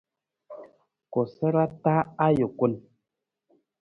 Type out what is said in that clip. Koosara taa ajukun.